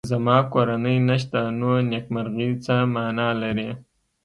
زما کورنۍ نشته نو نېکمرغي څه مانا لري